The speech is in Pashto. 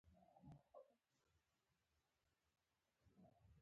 د بنسټپالنې ستونزه لا حل شوې نه ده.